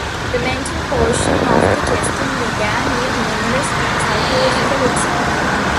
The mental portion of the testing began with numerous psychological exams.